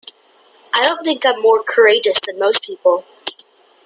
I don't think I'm more courageous than most people.